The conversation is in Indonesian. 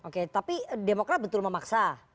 oke tapi demokrat betul memaksa